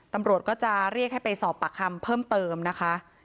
ตำรวจก็จะเรียกให้ไปสอบปากคำเพิ่มเติมนะคะ